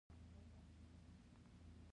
• دروغ د انسان حیثیت له منځه وړي.